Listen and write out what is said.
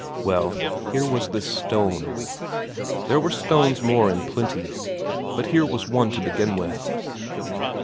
Well, here was this stone. There were stones more in plenty, but here was one to begin with.